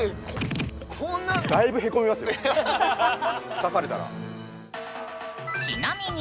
刺されたら。